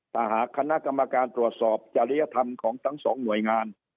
ถ้าหากคณะกรรมการตรวจสอบจริยธรรมของทั้งสองหน่วยงาน